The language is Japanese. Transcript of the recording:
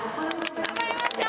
・頑張りましょう！